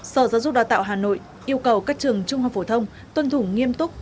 sở giáo dục đào tạo hà nội yêu cầu các trường trung học phổ thông tuân thủ nghiêm túc